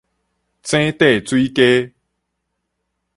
井底水雞